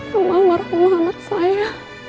rumah marah umat anak saya